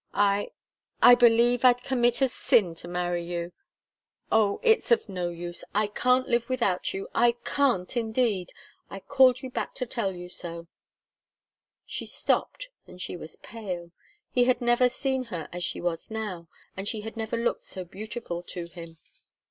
I I believe I'd commit a sin to marry you. Oh, it's of no use! I can't live without you I can't, indeed! I called you back to tell you so " She stopped, and she was pale. He had never seen her as she was now, and she had never looked so beautiful to him.